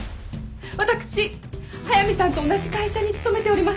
私速見さんと同じ会社に勤めております